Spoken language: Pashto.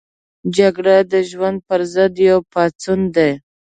جګړه د ژوند پر ضد یو پاڅون دی